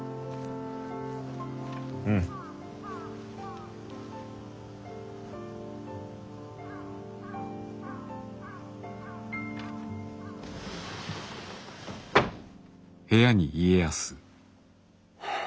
うん。はあ。